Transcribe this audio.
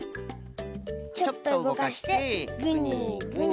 ちょっとうごかしてグニグニ。